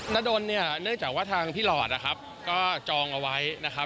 ดนเนี่ยเนื่องจากว่าทางพี่หลอดนะครับก็จองเอาไว้นะครับ